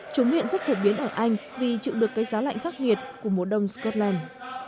chúng nguyện rất phổ biến ở anh vì chịu được cái giá lạnh khắc nghiệt của mùa đông scotland